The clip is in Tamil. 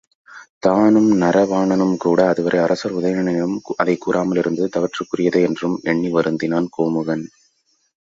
தானும் நரவாணனும்கூட அதுவரை அரசர் உதயணனிடம் அதைக் கூறாமலிருந்தது தவற்றுக்குரியதே என்றும் எண்ணி வருந்தினான் கோமுகன்.